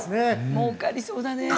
もうかりそうだね。